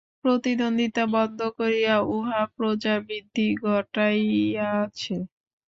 প্রতিদ্বন্দ্বিতা বন্ধ করিয়া উহা প্রজাবৃদ্ধি ঘটাইয়াছে।